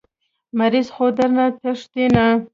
مريض خو درنه تښتي نه.